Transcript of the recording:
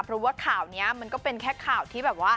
เพราะว่าข่าวนี้มันก็เป็นแค่ข่าวที่แบบว่า